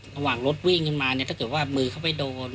ระหว่างรถวิ่งขึ้นมาเนี่ยถ้าเกิดว่ามือเขาไปโดน